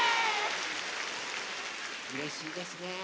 うれしいですね。